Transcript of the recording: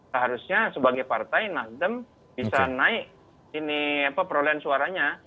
seharusnya sebagai partai nasdem bisa naik perolehan suaranya